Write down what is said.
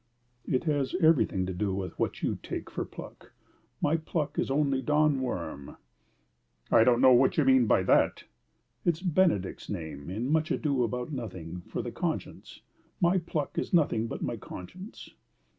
"It has everything to do with what you take for pluck. My pluck is only Don Worm." "I don't know what you mean by that." "It's Benedick's name, in Much Ado about Nothing, for the conscience. MY pluck is nothing but my conscience."